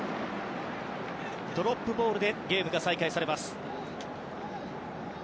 ドロップボールでゲームが再開されます。